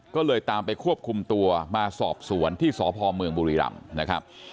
ก็เลยตามไปควบคุมตัวมาสอบสวนที่สพเมืองบุรีรำนะครับ